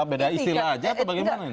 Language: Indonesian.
beda istilah aja atau bagaimana ini